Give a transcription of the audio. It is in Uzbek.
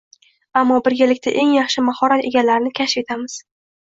ammo birgalikda eng yaxshi mahorat egalarini kashf etamiz